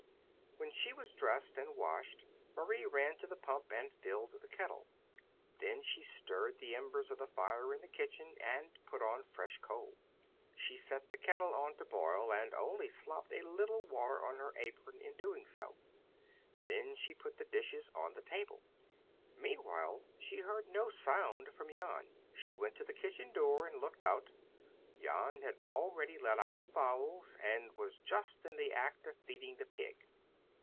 When she was dressed and washed, Marie ran to the pump and filled the kettle. Then she stirred the embers of the fire in the kitchen and put on fresh coal. She set the kettle on to boil and only slopped a little water on her apron in doing so. Then she put the dishes on the table. Meanwhile she heard no sound from Jan. She went to the kitchen door and looked out. Jan had already let out the fowls, and was just in the act of feeding the pig.